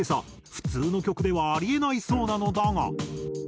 普通の曲ではあり得ないそうなのだが。